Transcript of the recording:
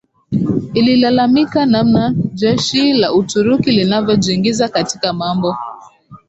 ililalamika namna jeshi la Uturuki linavojiingiza katika mambo